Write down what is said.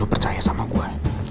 lo percaya sama gue